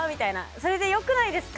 それで良くないですか？